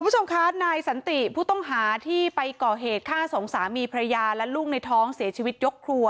คุณผู้ชมคะนายสันติผู้ต้องหาที่ไปก่อเหตุฆ่าสองสามีพระยาและลูกในท้องเสียชีวิตยกครัว